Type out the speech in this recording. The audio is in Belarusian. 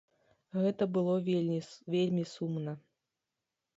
Гэта было вельмі сумна.